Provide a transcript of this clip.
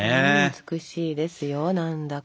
美しいですよ何だか。